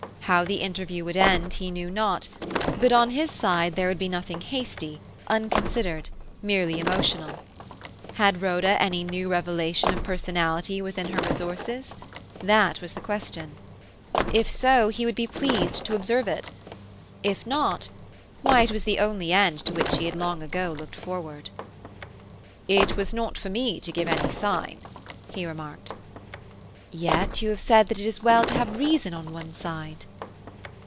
How the interview would end he know not; but on his side there would be nothing hasty, unconsidered, merely emotional. Had Rhoda any new revelation of personality within her resources?—that was the question. If so, he would be pleased to observe it. If not—why, it was only the end to which he had long ago looked forward. "It was not for me to give any sign," he remarked. "Yet you have said that it is well to have reason on one's side."